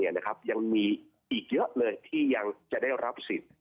ยังมีอีกเยอะเลยที่ยังจะได้รับสิทธิ์